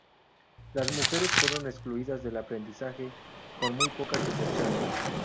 Las mujeres fueron excluidas del aprendizaje, con muy pocas excepciones.